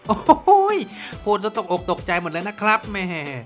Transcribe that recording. โอ้โหพูดจนตกอกตกใจหมดเลยนะครับแม่